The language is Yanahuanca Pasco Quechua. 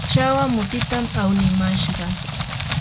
chawa mutitam awnimashqa.